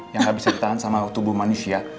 yang gak bisa ditahan sama tubuh manusia